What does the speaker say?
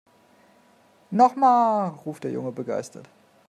Noch mal!, ruft der Junge begeistert.